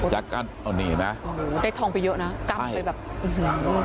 จากการอ้อนี่เห็นไหมโอ้โหได้ทองไปเยอะนะกล้ามไปแบบอื้อหือ